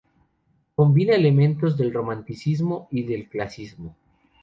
Combina elementos del romanticismo y del clasicismo.